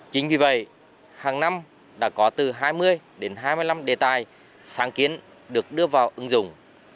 chính vì vậy hàng năm đã có từ hai mươi đến hai mươi năm đề tài sáng kiến được đưa vào ứng dụng